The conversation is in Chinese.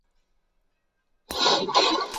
青城溲疏为虎耳草科溲疏属下的一个变种。